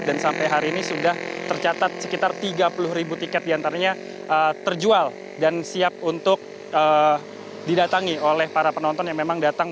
dan sampai hari ini sudah tercatat sekitar tiga puluh ribu tiket di antaranya terjual dan siap untuk didatangi oleh para penonton yang memang datang